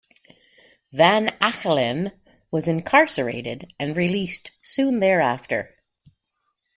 Van Achelen was incarcerated and released soon thereafter.